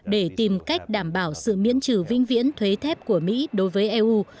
để tìm cách đảm bảo sự miễn trừ vĩnh viễn thuế thép của mỹ đối với eu